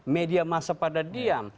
media masa pada diam